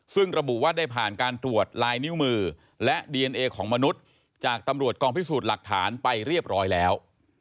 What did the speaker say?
ซึ่งระบุว่าได้ผ่านการตรวจลายนิ้วมือและดีเอนเอของมนุษย์จากตำรวจกองพิสูจน์หลักฐานไปเรียบร้อยแล้ว